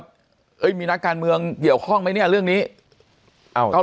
เอ้ยมีนักการเมืองเกี่ยวข้องไหมเนี่ยเรื่องนี้